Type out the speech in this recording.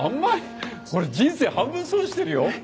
それ人生半分損してるよ